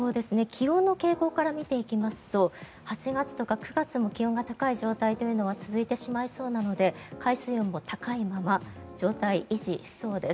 気温の傾向から見ていきますと８月とか９月も気温が高い状態は続いてしまいそうなので海水温も高いままの状態を維持しそうです。